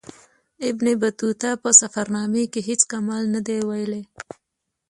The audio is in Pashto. ابن بطوطه په سفرنامې کې هیڅ کمال نه دی ویلی.